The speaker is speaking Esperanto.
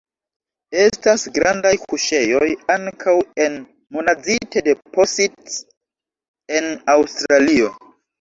Estas grandaj kuŝejoj ankaŭ en monazite deposits en Aŭstralio.